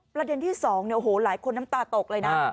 ประเด็นที่๒หลายคนน้ำตาตกเลยนะ